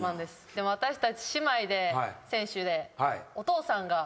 でも私たち姉妹で選手で。